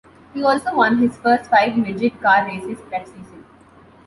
He also won his first five midget car races that season.